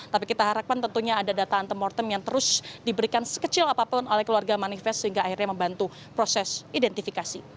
tapi kita harapkan tentunya ada data antemortem yang terus diberikan sekecil apapun oleh keluarga manifest sehingga akhirnya membantu proses identifikasi